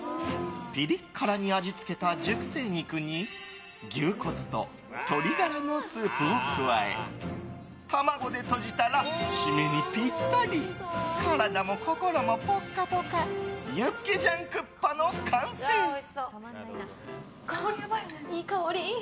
ピリ辛に味付けた熟成肉に牛骨と鶏ガラのスープを加え卵でとじたら締めにピッタリ体も心もぽっかぽかユッケジャンクッパの完成です。